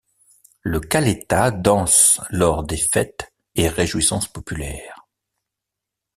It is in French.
Le Kaléta danse lors des fêtes et réjouissances populaires.